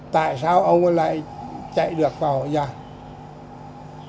tại sao ông lại chạy được vào hậu giang